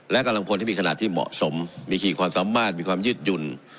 และกำลังพลที่มีขนาดที่เหมาะสมมีขี่ความสามารถมีความยืดหยุ่น